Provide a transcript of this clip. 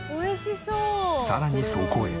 さらにそこへ。